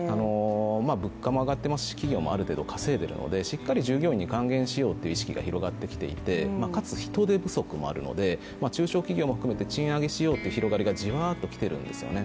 物価も上がっていますし、企業もある程度稼いでいるのでしっかり従業員に還元しようという意識が広がっていてかつ人手不足もあるので中小企業も含めて賃上げしようという広がりがじわっと来てるんですよね。